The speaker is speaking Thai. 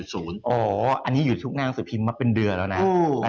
อันนี้อยู่ทุกหน้าหนังสือพิมพ์มาเป็นเดือนแล้วนะ